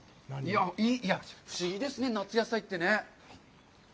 不思議ですね、夏野菜って。